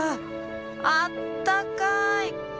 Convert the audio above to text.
あったかい